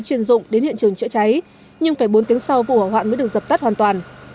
chuyên dụng đến hiện trường chữa cháy nhưng phải bốn tiếng sau vụ hỏa hoạn mới được dập tắt hoàn toàn